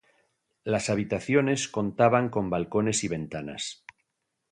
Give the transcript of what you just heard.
Las habitaciones contaban con balcones y ventanas.